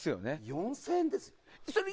４０００円ですよ。